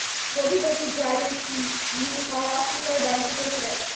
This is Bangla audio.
গভীর রাতে যারীদ ইউহাওয়াকে তার বাড়িতে পৌঁছে দেয়।